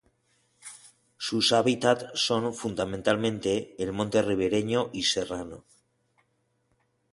Su hábitat son fundamentalmente el monte ribereño y serrano.